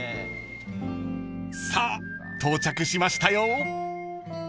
［さあ到着しましたよ］